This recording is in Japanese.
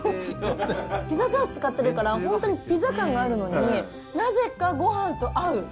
ピザソース使ってるから、本当にピザ感があるのに、なぜかごはんと合う。